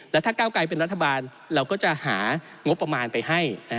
แล้วถ้าก้าวไกลเป็นรัฐบาลเราก็จะหางบประมาณไปให้